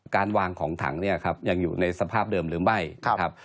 การวางของถังเนี่ยครับยังอยู่ในสภาพเดิมหรือไม่ครับ